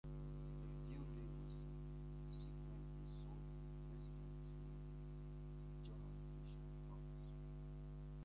The building was subsequently sold, and residents moved to John Fisher College.